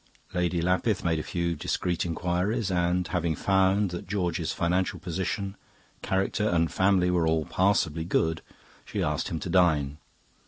Lady Lapith made a few discreet inquiries, and having found that George's financial position, character, and family were all passably good, she asked him to dine.